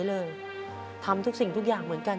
เป็นเขยของบ้านนี้นะครับ